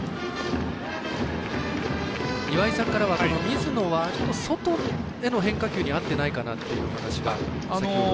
岩井さんからは水野は外への変化球に合ってないかなというお話が。